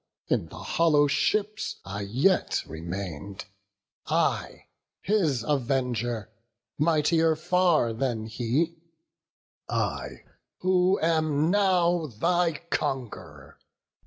in the hollow ships I yet remain'd, I, his avenger, mightier far than he; I, who am now thy conqu'ror.